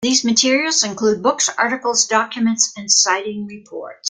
These materials include books, articles, documents, and sighting reports.